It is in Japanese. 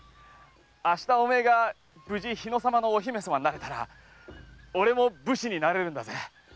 明日お前が無事日野様のお姫様になったら俺も武士になれるんだぜ。